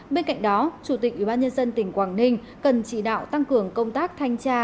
bên cạnh đó chủ tịch ubnd tỉnh quảng ninh cần chỉ đạo tăng cường công tác thanh tra